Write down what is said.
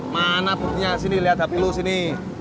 mana buktinya sini liat hp lu sini